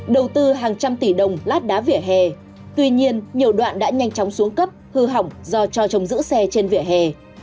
đầu tư hàng trăm tỷ đồng lát đá vỉa hè tuy nhiên nhiều đoạn đã nhanh chóng xuống cấp hư hỏng do cho trồng giữ xe trên vỉa hè